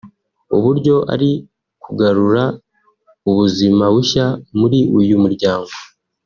uburyo ari kugarura ubuzima bushya muri uyu muryango